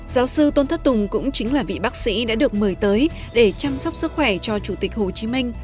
giáo sư tôn thất tùng cũng chính là vị bác sĩ đã được mời tới để chăm sóc sức khỏe cho chủ tịch hồ chí minh